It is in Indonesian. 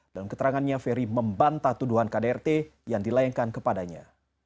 dalam keterangannya ferry membantah tuduhan kdrt yang dilayangkan kepadanya